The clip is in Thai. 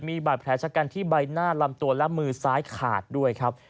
มีบาดแผลชะกันที่ใบหน้าลำตัวและมือซ้ายขาดด้วยครับ